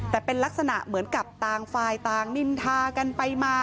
แต่เป็นลักษณะเหมือนกับต่างฝ่ายต่างนินทากันไปมา